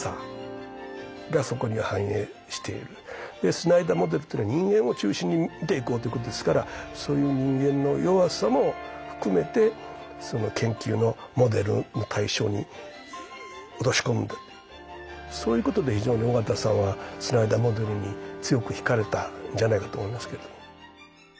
スナイダーモデルというのは人間を中心に見ていこうということですからそういう人間の弱さも含めてそういうことで非常に緒方さんはスナイダーモデルに強くひかれたんじゃないかと思いますけども。